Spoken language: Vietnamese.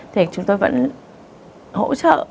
thì chúng tôi vẫn hỗ trợ